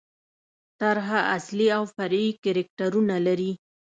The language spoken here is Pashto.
طرحه اصلي او فرعي کرکټرونه لري.